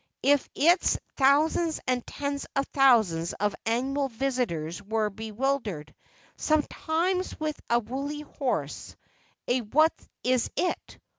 If its thousands and tens of thousands of annual visitors were bewildered sometimes with a Woolly Horse, a What is It?